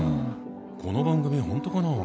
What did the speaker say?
この番組本当かな？